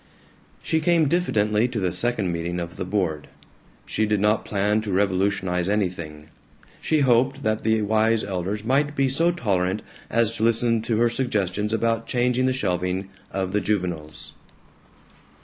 She came diffidently to the second meeting of the board. She did not plan to revolutionize anything. She hoped that the wise elders might be so tolerant as to listen to her suggestions about changing the shelving of the juveniles.